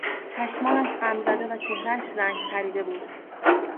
چشمانش غمزده و چهرهاش رنگ پریده بود.